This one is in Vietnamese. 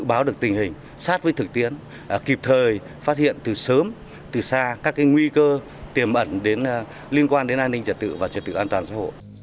báo được tình hình sát với thực tiến kịp thời phát hiện từ sớm từ xa các nguy cơ tiềm ẩn liên quan đến an ninh trật tự và trật tự an toàn xã hội